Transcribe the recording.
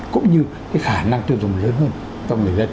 cũng như cái khả năng tiêu dùng lớn hơn